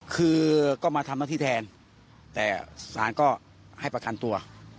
คือก็มาทำหน้าที่แทนแต่สารก็ให้ประกันตัว